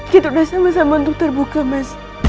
kita udah sama sama untuk terbuka mas